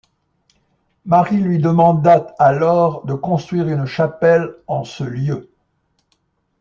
Marie lui demanda alors de construire une chapelle en ce lieu.